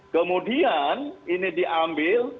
kemudian ini diambil